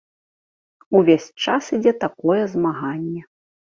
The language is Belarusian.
Увесь час ідзе такое змаганне.